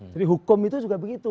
jadi hukum itu juga begitu